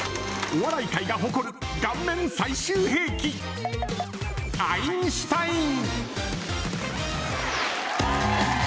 お笑い界が誇る顔面最終兵器アインシュタイン。